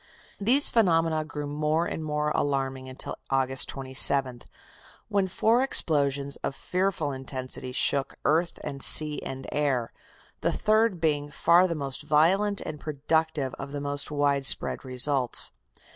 These phenomena grew more and more alarming until August 27th, when four explosions of fearful intensity shook earth and sea and air, the third being "far the most violent and productive of the most widespread results."